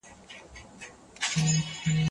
که تعلیم اصلاح ولري، نو فاسد عملونه به ختم شي.